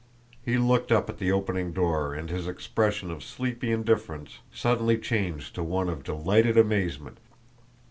He looked up at the opening door and his expression of sleepy indifference suddenly changed to one of delighted amazement.